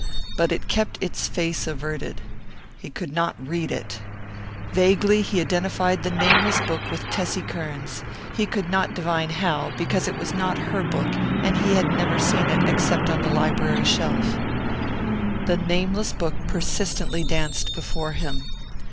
But it kept its face averted. He could not read it. Vaguely he identified the nameless book with Tessie Kearns; he could not divine how, because it was not her book and he had never seen it except on the library shelf. The nameless book persistently danced before him.